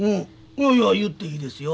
いや言っていいですよ。